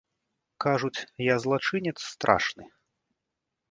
Кажуць, я злачынец страшны.